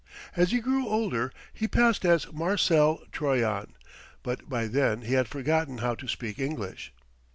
As he grew older he passed as Marcel Troyon; but by then he had forgotten how to speak English.